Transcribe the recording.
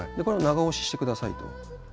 これを長押ししてくださいと。